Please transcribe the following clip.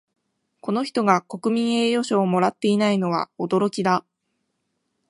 この人が国民栄誉賞をもらっていないのは驚きだ